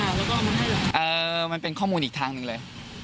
แล้วก็มันเป็นข้อมูลอีกทางหนึ่งเลย